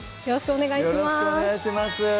よろしくお願いします